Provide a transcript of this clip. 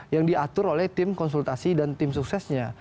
yang diatur oleh tim konsultasi dan tim suksesnya